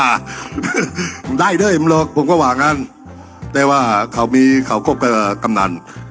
ได้ด้วยมึงหรอกผมก็ว่างั้นแต่ว่าเขามีเขาคบกับกำนัน